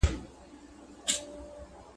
تعلیم د مثبتې ټولنې د جوړولو لپاره کليدي رول لري.